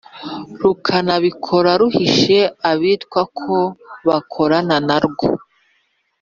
rukanabikora ruhishe abitwa ko bakorana na rwo.